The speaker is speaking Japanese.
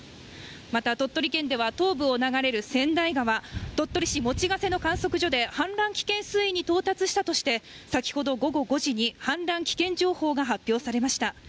また、鳥取県では東部を流れる千代川、鳥取市用瀬の観測所で氾濫危険水位に到達したとして、先ほど午後５時に氾濫危険情報が発表されました。